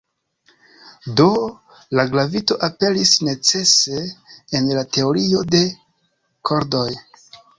Do, la gravito aperis "necese" en la teorio de kordoj.